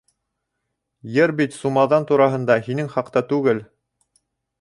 Йыр бит сумаҙан тураһында, һинең хаҡта түгел.